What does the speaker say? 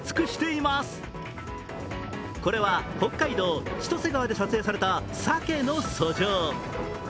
これは北海道・千歳川で撮影されたサケの遡上。